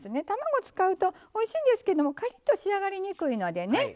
卵使うとおいしいんですけどもカリッと仕上がりにくいのでね